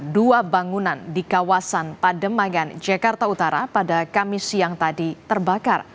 dua bangunan di kawasan pademangan jakarta utara pada kamis siang tadi terbakar